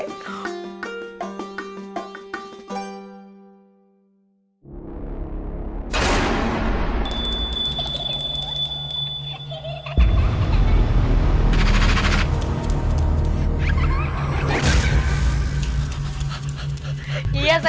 ini tuh darah buah buahan